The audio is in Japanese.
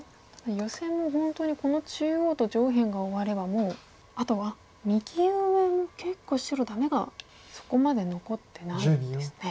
ヨセも本当にこの中央と上辺が終わればもうあとは右上も結構白ダメがそこまで残ってないですね。